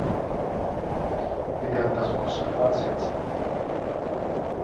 Wir werden das auch so fortsetzen.